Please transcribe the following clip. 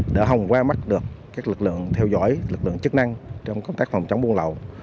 đã hồng qua mắt được các lực lượng theo dõi lực lượng chức năng trong công tác phòng chống buôn lậu